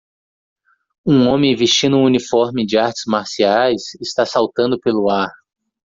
Um homem vestindo um uniforme de artes marciais está saltando pelo ar.